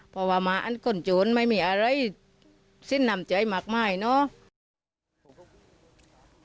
เพราะว่ามาอันก้นโจรไม่มีอะไรสิ้นนำใจมากมายเนาะ